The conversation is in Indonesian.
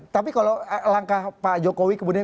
tapi kalau langkah pak jokowi kemudian